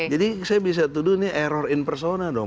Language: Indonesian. jadi saya bisa tuduh ini error in persona dong